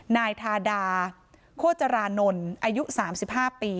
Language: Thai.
นายทาดาโคจรานนท์อายุสามสิบห้าปี